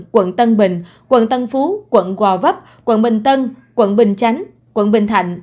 quận tân bình quận tân phú quận gò vấp quận bình tân quận bình chánh quận bình thạnh